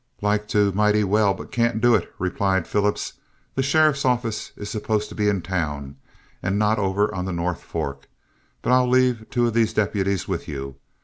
"Like to, mighty well, but can't do it," replied Phillips. "The sheriff's office is supposed to be in town, and not over on the North Fork, but I'll leave two of these deputies with you.